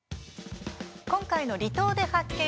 今回の「離島で発見！